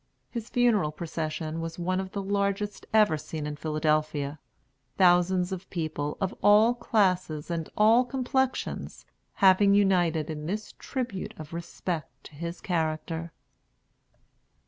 His funeral procession was one of the largest ever seen in Philadelphia; thousands of people, of all classes and all complexions, having united in this tribute of respect to his character.